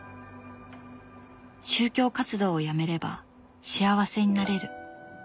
「宗教活動をやめれば幸せになれる」。